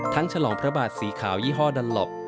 ทั้งฉลองพระบาทสีขาวยี่ห้อดันลบ